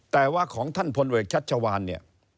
แต่ว่าของท่านพลเวกชัชวานเนี่ย